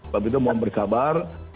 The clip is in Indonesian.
waktu itu mohon bersabar